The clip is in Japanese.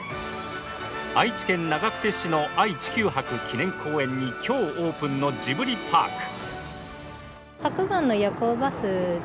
愛知県長久手市の愛・地球博記念公園に今日、オープンのジブリパーク。